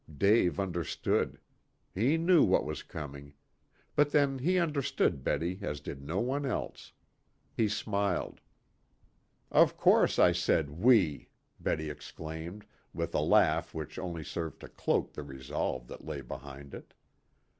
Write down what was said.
Dave understood. He knew what was coming. But then he understood Betty as did no one else. He smiled. "Of course I said 'we,'" Betty exclaimed, with a laugh which only served to cloak the resolve that lay behind it.